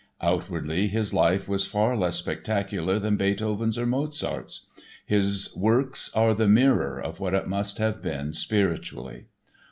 Outwardly, his life was far less spectacular than Beethoven's or Mozart's. His works are the mirror of what it must have been spiritually.